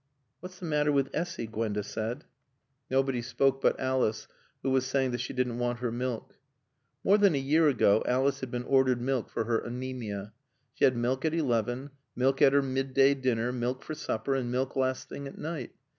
"What's the matter with Essy?" Gwenda said. Nobody spoke but Alice who was saying that she didn't want her milk. More than a year ago Alice had been ordered milk for her anæmia. She had milk at eleven, milk at her midday dinner, milk for supper, and milk last thing at night.